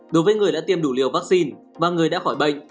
đối với người đã tiêm đủ liều vaccine và người đã khỏi bệnh